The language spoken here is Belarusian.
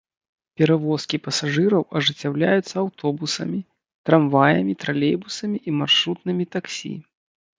Перавозкі пасажыраў ажыццяўляюцца аўтобусамі, трамваямі, тралейбусамі і маршрутнымі таксі.